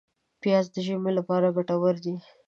پیاز د ژمي لپاره ګټور دی